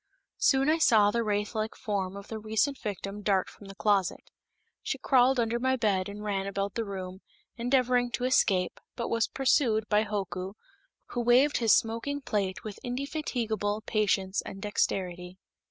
Soon, I saw the wraith like form of the recent victim dart from the closet. She crawled under my bed and ran about the room, endeavoring to escape, but was pursued by Hoku, who waved his smoking plate with indefatigable patience and dexterity.